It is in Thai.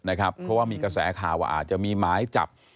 เพราะว่ามีกระแสข่าวว่าอาจจะมีหมายจับ